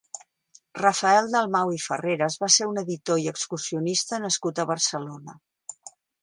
Rafael Dalmau i Ferreres va ser un editor i excursionista nascut a Barcelona.